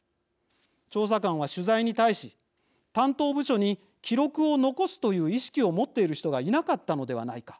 調査官は取材に対し「担当部署に記録を残すという意識をもっている人がいなかったのではないか。